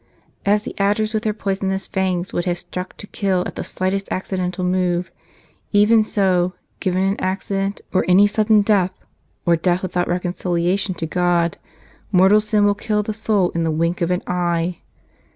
As the adders with their poisonous fangs would have struck to kill at the slightest acci¬ dental move, even so, given an accident or any sudden death or death without reconciliation to God, mortal sin will kill the soul in the wink of an eye.